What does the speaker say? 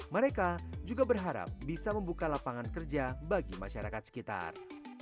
mereka juga berharap bisa membuka lapangan kerja bagi masyarakat sekitar